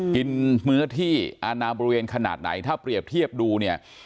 กินเนื้อที่อาณาบริเวณขนาดไหนถ้าเปรียบเทียบดูเนี่ย